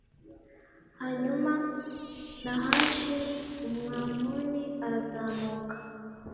hanyuma nahashi umwamoni arazamuka